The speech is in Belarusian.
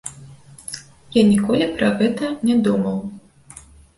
Я ніколі пра гэта не думаў.